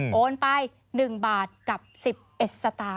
ตามไป๑บาทกับ๑๐เอสตาร์